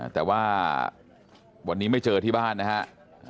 แต่ว่าวันนี้ไม่เจอที่บ้านนะครับ